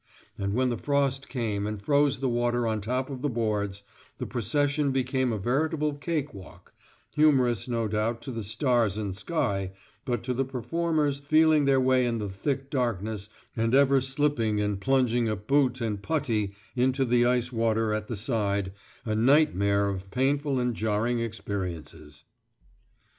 And when the frost came and froze the water on top of the boards, the procession became a veritable cake walk, humorous no doubt to the stars and sky, but to the performers, feeling their way in the thick darkness and ever slipping and plunging a boot and puttee into the icy water at the side, a nightmare of painful and jarring experiences.